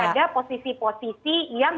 pada posisi posisi yang